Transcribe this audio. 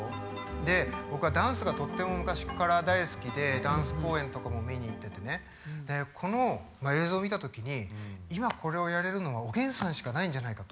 僕はダンスがとっても昔から大好きでダンス公演とかも見に行っててねこの映像を見たときに今これをやれるのは「おげんさん」しかないんじゃないかと。